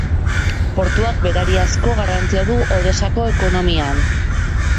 Portuak berariazko garrantzia du Odesako ekonomian.